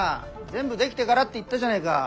全部出来てからって言ったじゃねえか。